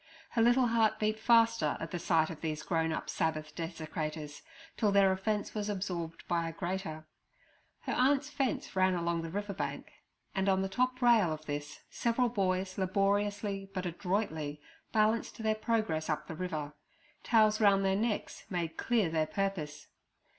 Her little heart beat faster at the sight of these grown up Sabbath desecrators, till their offence was absorbed by a greater. Her aunt's fence ran along the river bank, and on the top rail of this several boys laboriously but adroitly balanced their progress up the river: towels round their necks made clear their purpose.